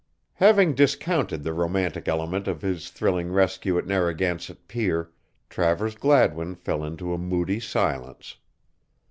Having discounted the romantic element of his thrilling rescue at Narragansett Pier, Travers Gladwin fell into a moody silence.